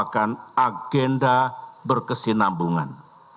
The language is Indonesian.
ini merupakan agenda berkesinambungan